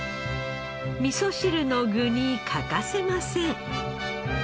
みそ汁の具に欠かせません。